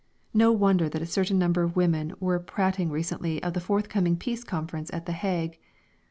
No wonder that a certain number of women were prating recently of the forthcoming Peace Conference at The Hague.